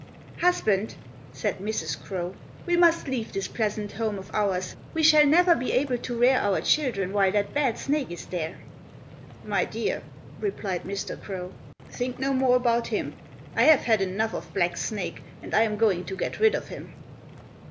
"Husband," said Mrs. Crow, "we must leave this pleasant home of ours; we shall never be able to rear our children while that bad snake is there." "My dear," replied Mr. Crow, "think no more about him. I have had enough of Black Snake, and I am going to get rid of him."